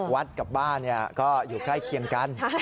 กับบ้านก็อยู่ใกล้เคียงกัน